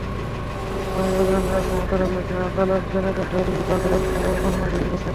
সংবিধানে দেওয়া ক্ষমতার আলোকে আদালত জনকণ্ঠ-এর বিরুদ্ধে আদালত অবমাননার রুল দিয়েছেন।